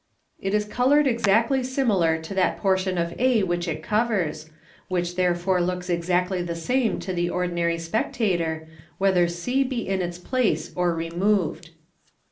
It is co loured exactly similar to that portion of a which it covers, which therefore looks exactly the same to the ordinary spectator, whether c be in its place or removed.